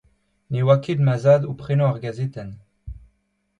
Ne oa ket ma zad o prenañ ar gazetenn.